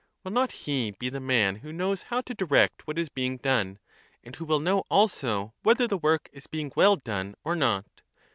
Will not he be the man who knows how to direct what is being done, and who will know also whether the work is being well done or not?